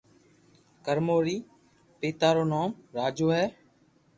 ڪرمون ري پيتا رو نوم راجو ھي